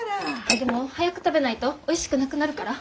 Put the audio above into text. あっでも早く食べないとおいしくなくなるから。